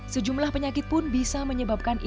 sejumlah penyakit pun bisa menyebabkan